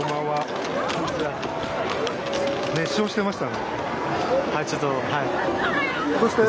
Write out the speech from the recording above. はい。